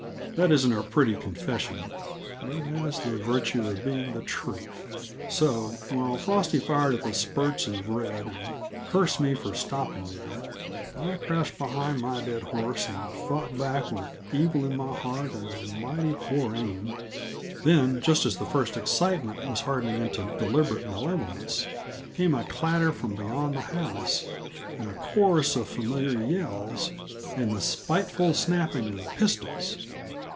That isn't a pretty confession, but it has the virtue of being the truth. So, while Frosty fired at the spurts of red and cursed me for stopping there, I crouched behind my dead horse and fought back with evil in my heart and a mighty poor aim. Then, just as the first excitement was hardening into deliberate malevolence, came a clatter from beyond the house, and a chorus of familiar yells and the spiteful snapping of pistols.